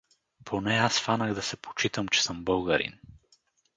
Поне аз фанах да се почитам, че съм българин.